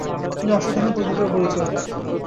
তিনি অসাধারণ প্রতিভার পরিচয় দেন।